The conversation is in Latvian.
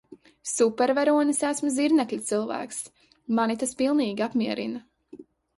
Supervaronis esmu Zirnekļa cilvēks, mani tas pilnīgi apmierina.